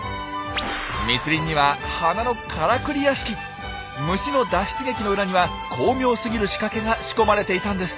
密林には虫の脱出劇の裏には巧妙すぎる仕掛けが仕込まれていたんです。